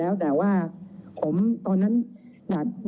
เรามีการปิดบันทึกจับกลุ่มเขาหรือหลังเกิดเหตุแล้วเนี่ย